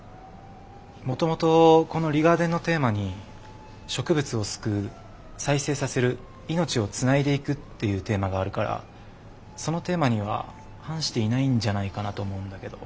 もともとこのリガーデンのテーマに植物を救う再生させる命をつないでいくっていうテーマがあるからそのテーマには反していないんじゃないかなと思うんだけど。